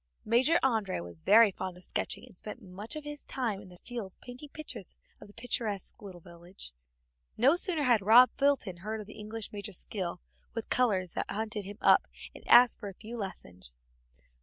Major André was very fond of sketching, and spent much of his time in the fields painting pictures of the picturesque little village. No sooner had Rob Fulton heard of the English major's skill with colors than he hunted him up and asked for a few lessons.